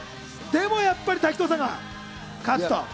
でもやっぱり滝藤さんが勝つと。